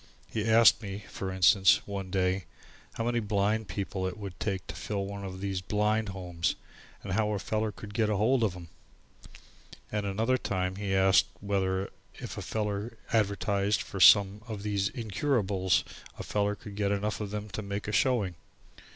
He asked me, for instance, one day, how many blind people it would take to fill one of these blind homes and how a feller could get ahold of them. And at another time he asked whether if a feller advertised for some of these incurables a feller could get enough of them to make a showing.